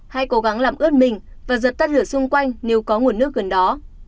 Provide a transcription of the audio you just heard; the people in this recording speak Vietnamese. hãy cố gắng làm ướt mình và giật tắt lửa xung quanh nếu có nguồn nước gần đó